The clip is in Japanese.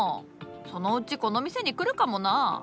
そのうちこの店に来るかもな。